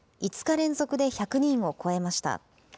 ５日連続で１００人を超えました。